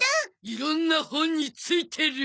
いろんな本についてる。